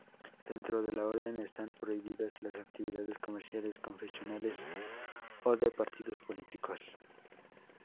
Dentro de la Orden están prohibidas las actividades comerciales, confesionales o de partidos políticos.